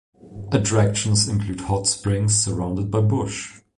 Attractions include hot springs surrounded by bush.